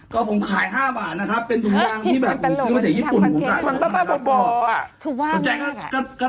ก็ผมขาย๕บาทนะครับเป็นถุงยางที่แบบซื้อมาจากญี่ปุ่นผม